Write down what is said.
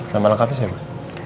nama lengkapnya siapa